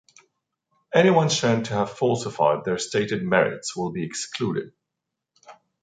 Anyone shown to have falsified their stated merits will be excluded.